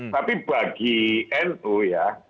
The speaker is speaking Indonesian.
tapi bagi nu ya